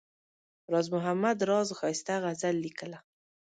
راز محمد راز ښایسته غزل لیکله.